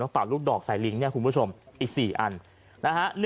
เป่าลูกดอกใส่ลิงคุณผู้ชมอีก๔อัน